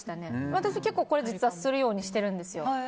私、結構これするようにしてるんですよ。